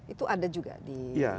itu ada juga di